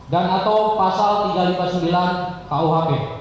dan atau pasal tiga ratus lima puluh sembilan kuhp